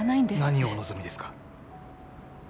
何をお望みですか？